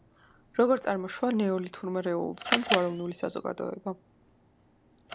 როგორ წარმოშვა "ნეოლითურმა რევოლუციამ"გვაროვნული საზოგადოება?